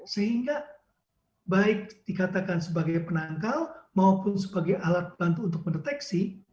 sehingga baik dikatakan sebagai penangkal maupun sebagai alat bantu untuk mendeteksi